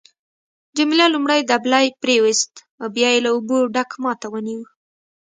جميله لومړی دبلی پریویست او بیا یې له اوبو ډک ما ته ونیو.